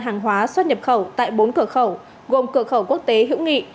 hàng hóa xuất nhập khẩu tại bốn cửa khẩu gồm cửa khẩu quốc tế hữu nghị